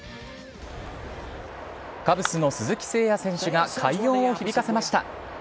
カブスの鈴木誠也選手が快音を響かせました。